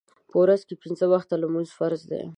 په ورځ کې پینځه وخته لمونځ فرض دی.